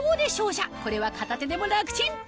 これは片手でも楽チン！